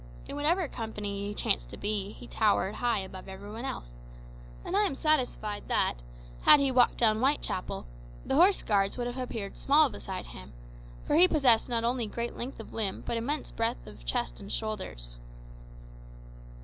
In whatever company he chanced to be he towered high above every one else, and I am satisfied that, had he walked down Whitechapel, the Horse Guards would have appeared small beside him, for he possessed not only great length of limb but immense breadth of chest and shoulders.